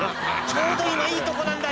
ちょうど今いいとこなんだよ」